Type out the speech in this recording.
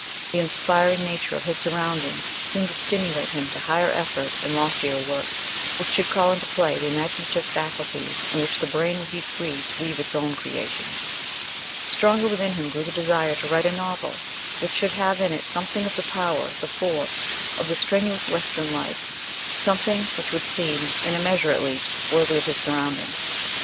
The inspiring nature of his surroundings seemed to stimulate him to higher effort and loftier work, which should call into play the imaginative faculties and in which the brain would be free to weave its own creations. Stronger within him grew the desire to write a novel which should have in it something of the power, the force, of the strenuous western life, something which would seem, in a measure at least, worthy of his surroundings.